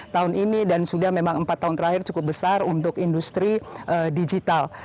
tahun ini dan sudah memang empat tahun terakhir cukup besar untuk industri digital